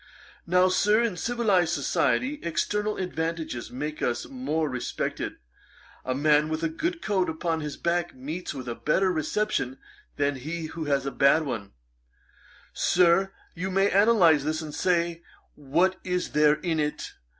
Now, Sir, in civilized society, external advantages make us more respected. A man with a good coat upon his back meets with a better reception than he who has a bad one. [Page 441: The 'advantages' of poverty. Ætat 54.] Sir, you may analyse this, and say what is there in it?